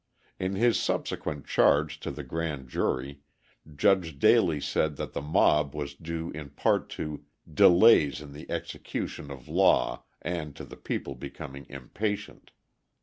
In his subsequent charge to the grand jury, Judge Daley said that the mob was due in part to "delays in the execution of law and to the people becoming impatient."